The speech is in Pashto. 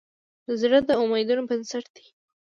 زړه د امیدونو بنسټ دی.